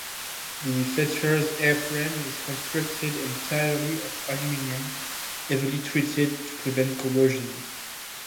The Fletcher's airframe is constructed entirely of aluminium, heavily treated to prevent corrosion.